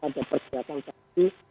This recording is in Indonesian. ada persiapan pasti